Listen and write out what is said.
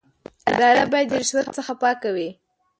اداره باید د رشوت څخه پاکه وي.